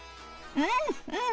うんうん！